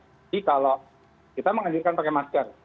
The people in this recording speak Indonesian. jadi kalau kita mengajarkan pakai masker